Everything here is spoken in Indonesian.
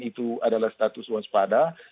itu adalah status waspada